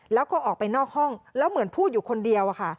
แล้วก็ออกไปนอกห้องแล้วเหมือนพูดอยู่คนเดียว